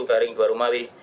garing dua rumah